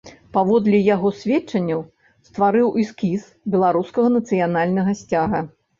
Паводле яго сведчання, стварыў эскіз беларускага нацыянальнага сцяга.